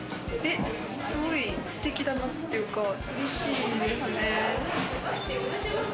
すごいステキだなというか、うれしいですね。